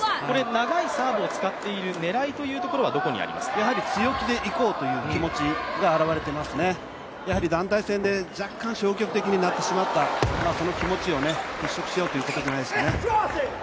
長いサーブを使っている狙いというところは、やはり、強気でいこうという気持ちが表れていますね、団体戦で若干消極的になってしまったその気持ちをふっしょくしようということじゃないですかね。